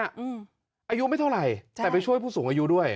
อายุไม่เท่าไหร่แต่ไปช่วยผู้สูงอายุด้วย